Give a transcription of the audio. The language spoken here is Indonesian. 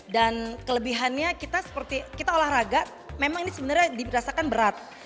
dan kelebihannya kita seperti kita olahraga memang ini sebenarnya dirasakan berat